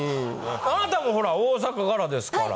あなたもほら大阪からですから。